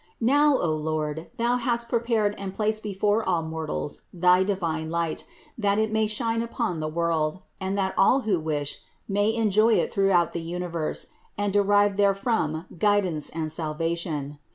Now, O Lord, Thou hast prepared and placed before all mortals thy divine light that it may shine upon the world and that all who wish may enjoy it through out the universe and derive therefrom guidance and sal vation.